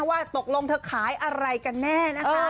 ว่าตกลงเธอขายอะไรกันแน่นะคะ